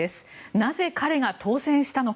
なぜ彼が当選したのか。